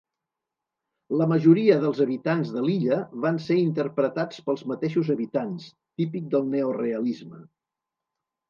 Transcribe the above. La majoria dels habitants de l'illa van ser interpretats pels mateixos habitants, típic del neorealisme.